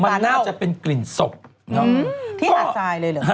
มันน่าจะเป็นกลิ่นศพที่หาดทรายเลยหรือ